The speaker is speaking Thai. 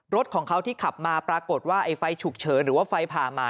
รถของเขาที่ขับมาปรากฏว่าไอ้ไฟฉุกเฉินหรือว่าไฟผ่ามา